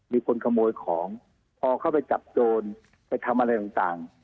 มีคนขโมยของพอเข้าไปจับโจรไปทำอะไรต่าง